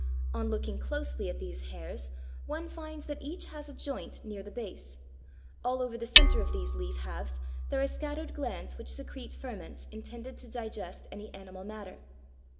On looking closely at these hairs one finds that each has a joint near the base; all over the centre of these leaf halves there are scattered glands which secrete ferments intended to digest any animal matter.